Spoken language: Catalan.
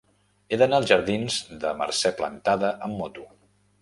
He d'anar als jardins de Mercè Plantada amb moto.